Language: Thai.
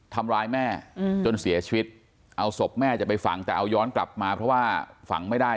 ทำร้ายแม่จนเสียชีวิตเอาศพแม่จะไปฝังแต่เอาย้อนกลับมาเพราะว่าฝังไม่ได้